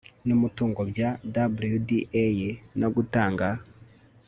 n umutungo bya WDA no gutanga